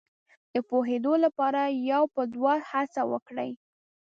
د پوهېدو لپاره یو په دوه هڅه وکړي.